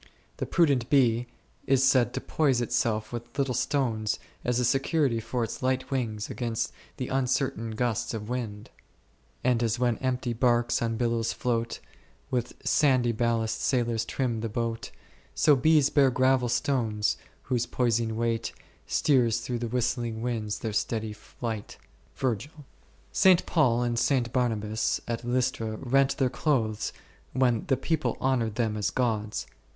The prudent bee is said to poise itself with little stones as a security for its light wings against the uncertain gusts of wind, And as when empty barks on billows float, With sandy ballast sailors trim the boat, So bees bear gravel stones, whose poising weight Steers through the whistling winds their steady flight . St. Paul and St. Barnabas at Lystra rent their clothes when the people honoured them as gods.